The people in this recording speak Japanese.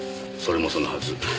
それもそのはず